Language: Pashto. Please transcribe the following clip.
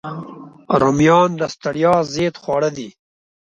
رومیان د ستړیا ضد خواړه دي